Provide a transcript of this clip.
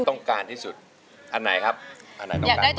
ตัดสินใจให้ดี